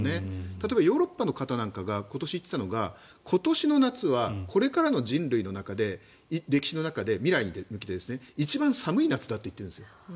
例えば、ヨーロッパの方なんかが今年言っていたのが今年の夏はこれからの人類の歴史の中で未来に向けて、一番寒い夏だと言っているんですよ。